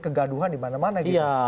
kegaduhan di mana mana